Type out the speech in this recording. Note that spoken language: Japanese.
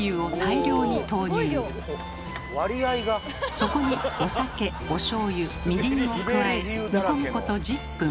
そこにお酒おしょうゆみりんを加え煮込むこと１０分。